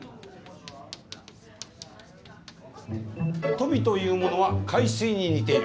「富というものは海水に似ている。